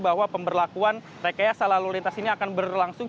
bahwa pemberlakuan rekayasa lalu lintas ini akan berlangsung